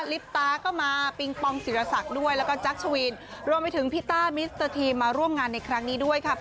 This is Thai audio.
ลิปตาก็มาปิงปองศิรศักดิ์ด้วยแล้วก็จักรชวีนรวมไปถึงพี่ต้ามิสเตอร์ทีมมาร่วมงานในครั้งนี้ด้วยค่ะ